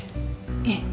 ええ。